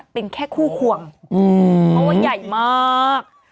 เป็นแค่คู่ขวงเพราะว่าใหญ่มาก